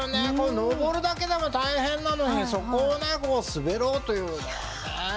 登るだけでも大変なのにそこをねこう滑ろうというのはねぇ。